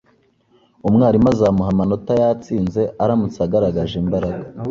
Umwarimu azamuha amanota yatsinze aramutse agaragaje imbaraga